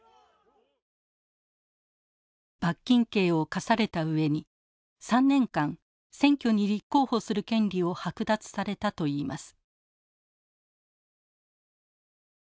罰金刑を科された上に３年間選挙に立候補する権利を剥奪されたといいます。